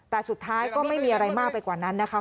แต่สุดท้ายก็ไม่มีอะไรมากไปกว่านั้นนะคะ